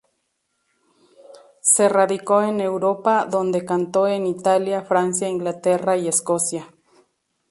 Se radicó en Europa, donde cantó en Italia, Francia, Inglaterra y Escocia.